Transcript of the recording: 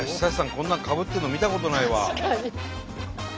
こんなのかぶってるの見たことないわ。